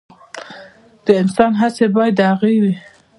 د انسان هڅې باید د هغه وي.